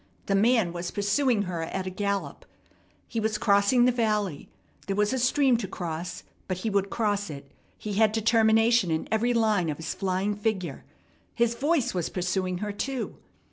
The man was pursuing her at a gallop! He was crossing the valley. There was a stream to cross, but he would cross it. He had determination in every line of his flying figure. His voice was pursuing her, too.